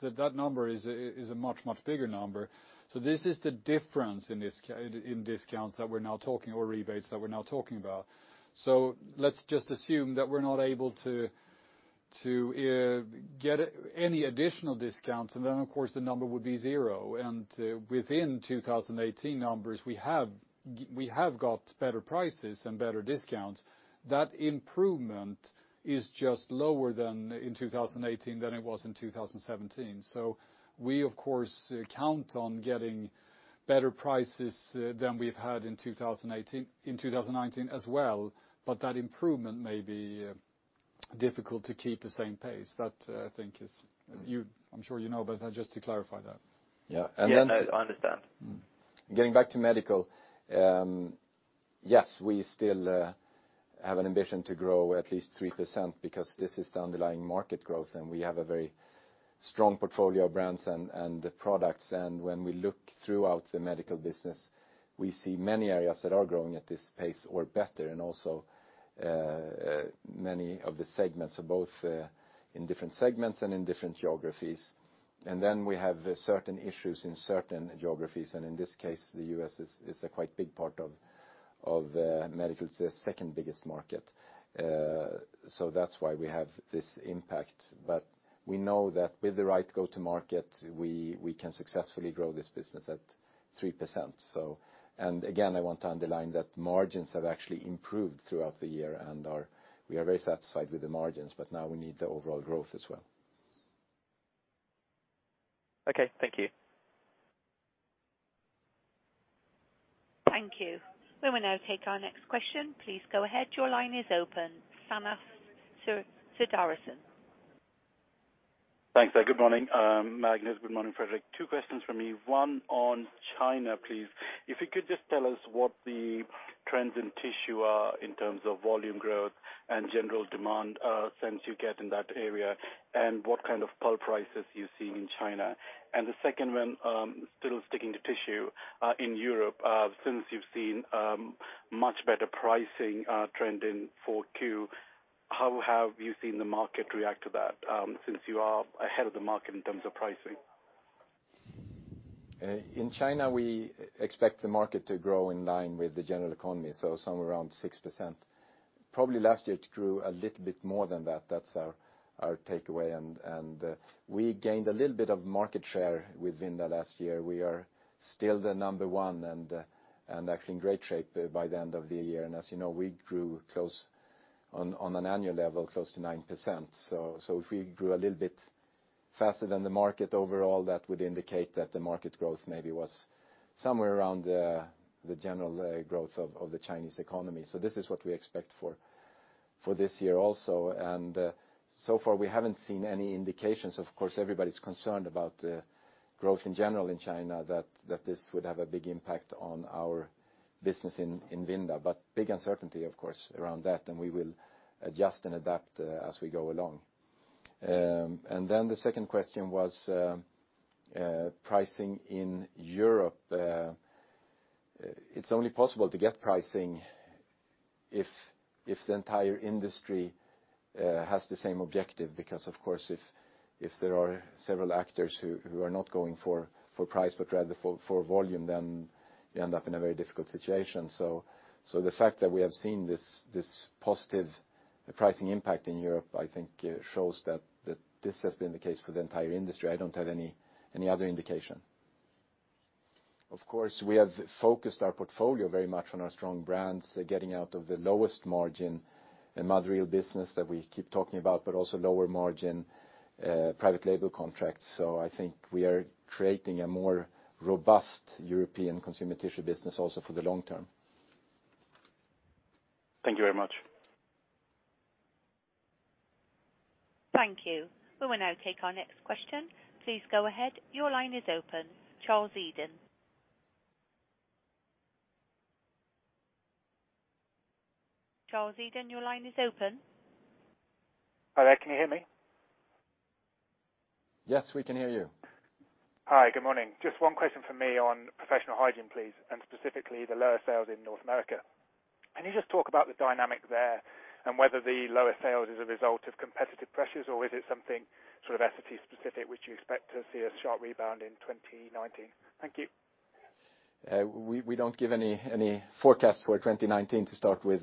That number is a much, much bigger number. This is the difference in discounts that we're now talking or rebates that we're now talking about. Let's just assume that we're not able to get any additional discounts. Of course, the number would be zero. Within 2018 numbers, we have got better prices and better discounts. That improvement is just lower in 2018 than it was in 2017. We, of course, count on getting better prices than we've had in 2019 as well. That improvement may be difficult to keep the same pace. I'm sure you know, but just to clarify that. Yeah. And then. Yeah. I understand. Getting back to medical, yes, we still have an ambition to grow at least 3% because this is the underlying market growth. We have a very strong portfolio of brands and products. When we look throughout the medical business, we see many areas that are growing at this pace or better and also many of the segments, so both in different segments and in different geographies. We have certain issues in certain geographies. In this case, the U.S. is a quite big part of medical. It's the second biggest market. That's why we have this impact. We know that with the right go-to-market, we can successfully grow this business at 3%. Again, I want to underline that margins have actually improved throughout the year. We are very satisfied with the margins. Now we need the overall growth as well. Okay. Thank you. Thank you. We will now take our next question. Please go ahead. Your line is open. Sanna Siddarasan. Thanks, there. Good morning, Magnus. Good morning, Fredrik. Two questions from me. One on China, please. If you could just tell us what the trends in tissue are in terms of volume growth and general demand sense you get in that area and what kind of pulp prices you're seeing in China. The second one, still sticking to tissue, in Europe, since you've seen much better pricing trend in 4Q, how have you seen the market react to that since you are ahead of the market in terms of pricing? In China, we expect the market to grow in line with the general economy, somewhere around 6%. Probably last year, it grew a little bit more than that. That's our takeaway. We gained a little bit of market share within that last year. We are still the number one and actually in great shape by the end of the year. As you know, we grew on an annual level close to 9%. If we grew a little bit faster than the market overall, that would indicate that the market growth maybe was somewhere around the general growth of the Chinese economy. This is what we expect for this year also. So far, we haven't seen any indications. Of course, everybody's concerned about growth in general in China, that this would have a big impact on our business in Vinda. Big uncertainty, of course, around that. We will adjust and adapt as we go along. The second question was pricing in Europe. It's only possible to get pricing if the entire industry has the same objective because, of course, if there are several actors who are not going for price but rather for volume, then you end up in a very difficult situation. The fact that we have seen this positive pricing impact in Europe, I think, shows that this has been the case for the entire industry. I don't have any other indication. Of course, we have focused our portfolio very much on our strong brands, getting out of the lowest margin mother reel business that we keep talking about but also lower margin private label contracts. I think we are creating a more robust European consumer tissue business also for the long term. Thank you very much. Thank you. We will now take our next question. Please go ahead. Your line is open. Charles Eden. Charles Eden, your line is open. Hi. Can you hear me? Yes. We can hear you. Hi. Good morning. Just one question from me on professional hygiene, please, and specifically the lower sales in North America. Can you just talk about the dynamic there and whether the lower sales is a result of competitive pressures, or is it something Essity-specific which you expect to see a sharp rebound in 2019? Thank you. We don't give any forecast for 2019 to start with.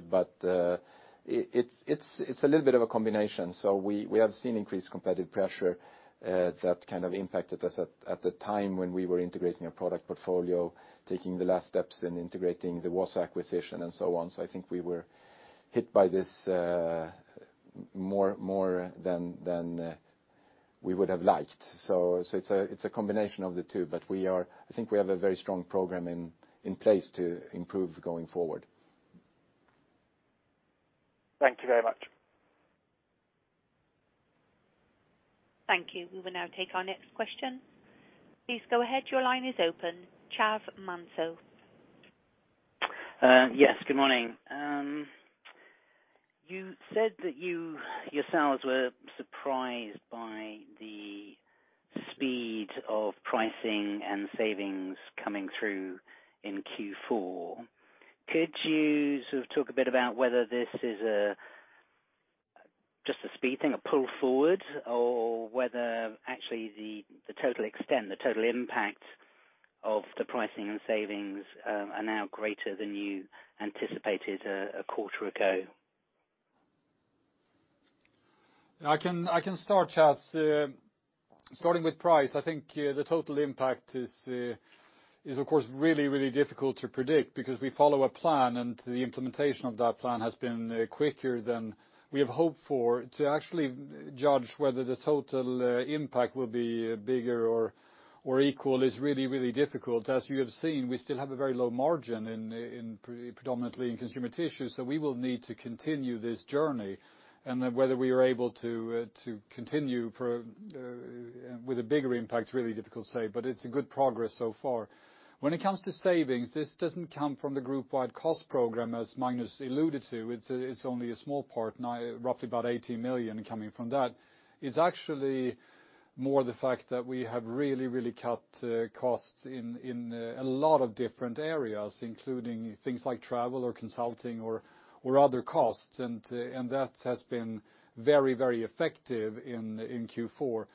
It's a little bit of a combination. We have seen increased competitive pressure that kind of impacted us at the time when we were integrating our product portfolio, taking the last steps and integrating the Wausau acquisition and so on. I think we were hit by this more than we would have liked. It's a combination of the two. I think we have a very strong program in place to improve going forward. Thank you very much. Thank you. We will now take our next question. Please go ahead. Your line is open. Chav Manso. Yes. Good morning. You said that you yourselves were surprised by the speed of pricing and savings coming through in Q4. Could you sort of talk a bit about whether this is just a speed thing, a pull forward, or whether actually the total extent, the total impact of the pricing and savings are now greater than you anticipated a quarter ago? I can start, Chav. Starting with price, I think the total impact is, of course, really, really difficult to predict because we follow a plan. The implementation of that plan has been quicker than we have hoped for. To actually judge whether the total impact will be bigger or equal is really, really difficult. As you have seen, we still have a very low margin, predominantly in consumer tissue. We will need to continue this journey. Then whether we are able to continue with a bigger impact is really difficult to say. It's a good progress so far. When it comes to savings, this doesn't come from the group-wide cost program as Magnus alluded to. It's only a small part, roughly about 18 million coming from that. It's actually more the fact that we have really, really cut costs in a lot of different areas, including things like travel or consulting or other costs. That has been very, very effective in Q4,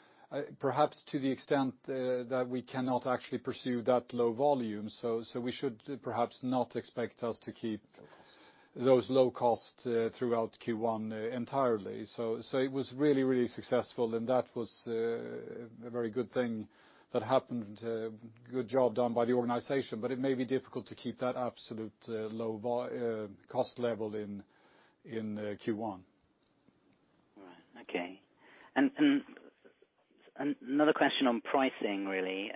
perhaps to the extent that we cannot actually pursue that low volume. We should perhaps not expect us to keep those low costs throughout Q1 entirely. It was really, really successful. That was a very good thing that happened. Good job done by the organization. It may be difficult to keep that absolute low cost level in Q1. All right. Okay. Another question on pricing, really.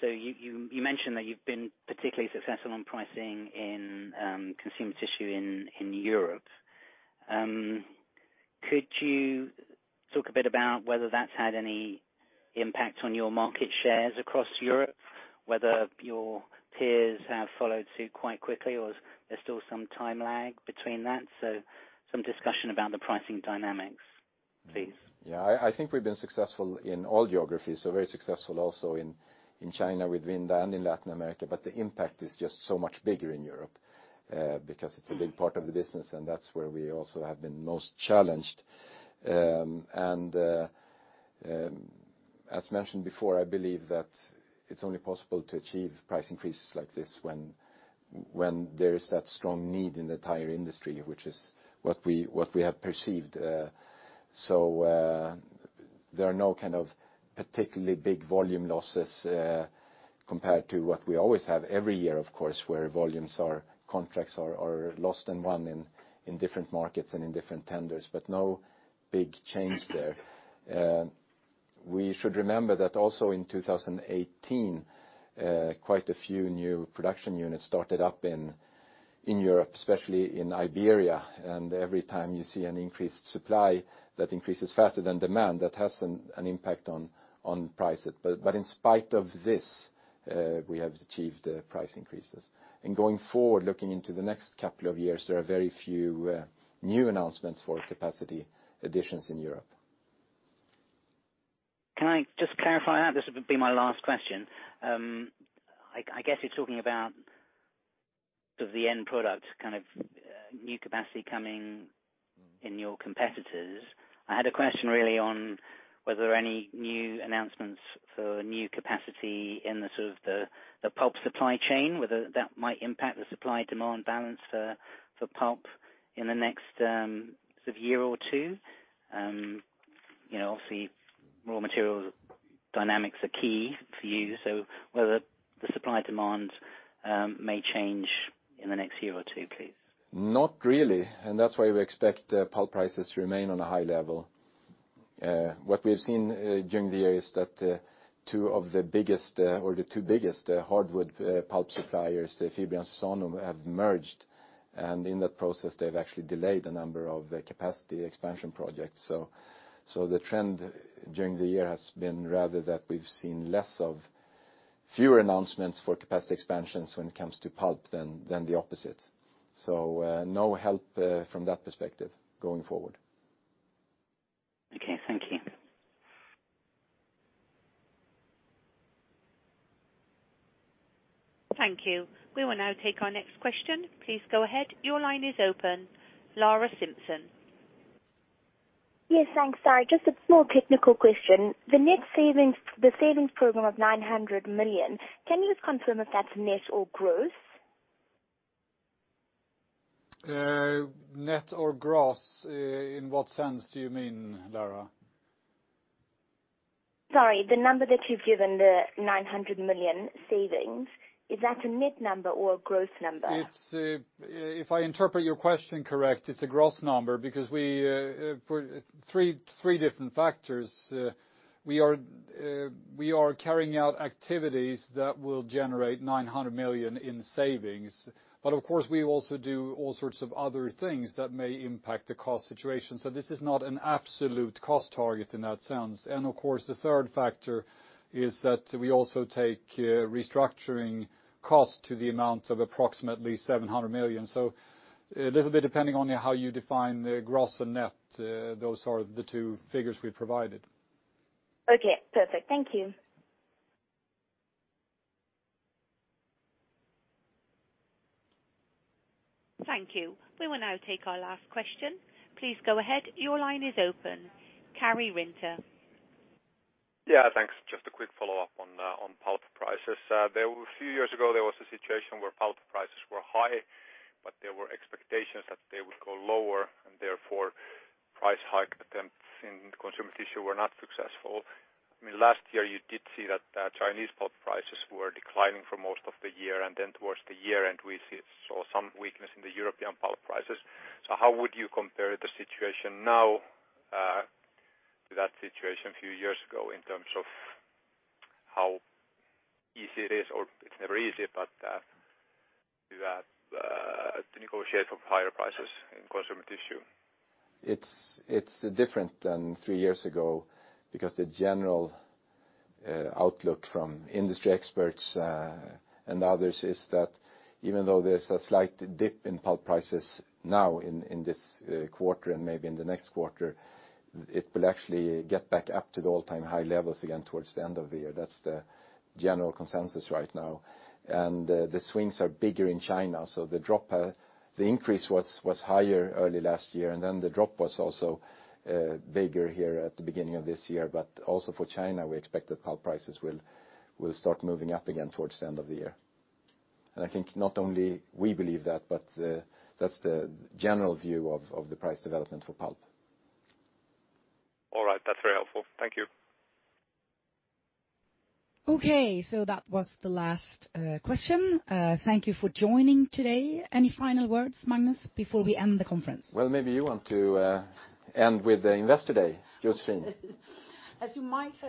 You mentioned that you've been particularly successful on pricing in consumer tissue in Europe. Could you talk a bit about whether that's had any impact on your market shares across Europe, whether your peers have followed suit quite quickly, or there's still some time lag between that, so some discussion about the pricing dynamics, please? Yeah. I think we've been successful in all geographies, so very successful also in China with Vinda and in Latin America. The impact is just so much bigger in Europe because it's a big part of the business. That's where we also have been most challenged. As mentioned before, I believe that it's only possible to achieve price increases like this when there is that strong need in the entire industry, which is what we have perceived. There are no kind of particularly big volume losses compared to what we always have every year, of course, where contracts are lost and won in different markets and in different tenders, but no big change there. We should remember that also in 2018, quite a few new production units started up in Europe, especially in Iberia. Every time you see an increased supply that increases faster than demand, that has an impact on price. In spite of this, we have achieved price increases. Going forward, looking into the next couple of years, there are very few new announcements for capacity additions in Europe. Can I just clarify that? This would be my last question. I guess you're talking about sort of the end product, kind of new capacity coming in your competitors. I had a question, really, on whether there are any new announcements for new capacity in sort of the pulp supply chain, whether that might impact the supply-demand balance for pulp in the next sort of year or two. Obviously, raw materials dynamics are key for you. Whether the supply-demand may change in the next year or two, please. Not really. That's why we expect pulp prices to remain on a high level. What we've seen during the year is that two of the biggest or the two biggest hardwood pulp suppliers, Fibria and Suzano, have merged. In that process, they've actually delayed a number of capacity expansion projects. The trend during the year has been rather that we've seen fewer announcements for capacity expansions when it comes to pulp than the opposite. No help from that perspective going forward. Okay. Thank you. Thank you. We will now take our next question. Please go ahead. Your line is open. Lara Sheridan. Yes. Thanks, Sarah. Just a small technical question. The savings program of 900 million, can you just confirm if that's net or gross? Net or gross, in what sense do you mean, Lara? Sorry. The number that you've given, the 900 million savings, is that a net number or a gross number? If I interpret your question correct, it's a gross number because three different factors. We are carrying out activities that will generate 900 million in savings. Of course, we also do all sorts of other things that may impact the cost situation. This is not an absolute cost target in that sense. Of course, the third factor is that we also take restructuring cost to the amount of approximately 700 million. A little bit depending on how you define gross and net, those are the two figures we provided. Okay. Perfect. Thank you. Thank you. We will now take our last question. Please go ahead. Your line is open. Karel Zoete. Yeah. Thanks. Just a quick follow-up on pulp prices. A few years ago, there was a situation where pulp prices were high, but there were expectations that they would go lower. Therefore, price-hike attempts in consumer tissue were not successful. I mean, last year, you did see that Chinese pulp prices were declining for most of the year. Then towards the year-end, we saw some weakness in the European pulp prices. How would you compare the situation now to that situation a few years ago in terms of how easy it is, or it's never easy, but to negotiate for higher prices in consumer tissue? It's different than three years ago because the general outlook from industry experts and others is that even though there's a slight dip in pulp prices now in this quarter and maybe in the next quarter, it will actually get back up to the all-time high levels again towards the end of the year. That's the general consensus right now. The swings are bigger in China. The increase was higher early last year. Then the drop was also bigger here at the beginning of this year. Also for China, we expect that pulp prices will start moving up again towards the end of the year. I think not only we believe that, but that's the general view of the price development for pulp. All right. That's very helpful. Thank you. Okay. That was the last question. Thank you for joining today. Any final words, Magnus, before we end the conference? Well, maybe you want to end with Investor Day, Joséphine. As you might.